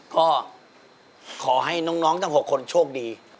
ก็ขอให้น้องทั้ง๖คนโชคดี